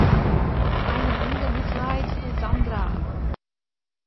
Eine Runde Mitleid für Sandra!